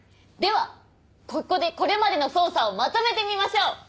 ではここでこれまでの捜査をまとめてみましょう！